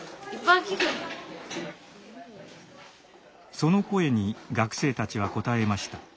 その声に学生たちは応えました。